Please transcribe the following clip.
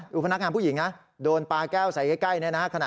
พนักงานผู้หญิงนะโดนปลาแก้วใส่ใกล้เนี่ยนะ